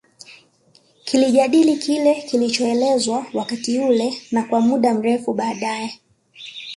Kilijadili kile kilichoelezwa wakati ule na kwa muda mrefu baadae